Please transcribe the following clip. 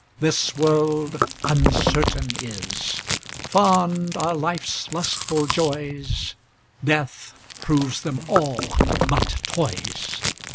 This world uncertain is: Fond are life's lustful joys, Death proves them all but toys.